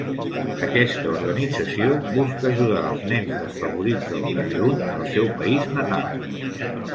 Aquesta organització busca ajudar als nens desfavorits del Camerun, el seu país natal.